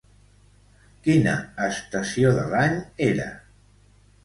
Quina estació de l'any era?